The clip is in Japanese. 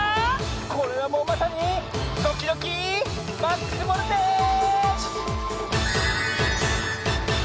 これはもうまさにドキドキマックスボルテージ！